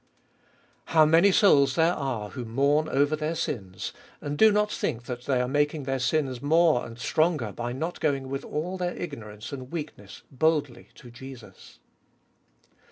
2. How many souls there are who mourn over their sins, and do not think that they are making their sins more and stronger by not going with all their ignorance and weakness boldly to Jesus.